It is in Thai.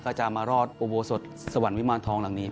ก็จะมารอดอุโบสถสวรรค์วิมารทองหลังนี้